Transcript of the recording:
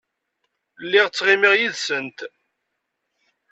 Lliɣ ttɣimiɣ yid-sent.